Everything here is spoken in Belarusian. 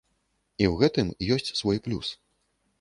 І ў гэтым ёсць свой плюс.